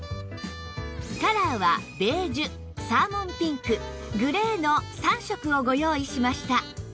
カラーはベージュサーモンピンクグレーの３色をご用意しました